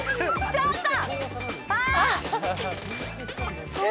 ちょっと！